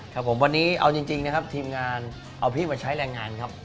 ครับผมวันนี้เอาจริงนะครับทีมงานเอาพี่มาใช้แรงงานครับ